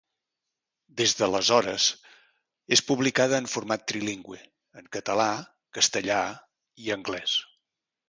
Des de l'aleshores, és publicada en format trilingüe, en català, castellà i anglès.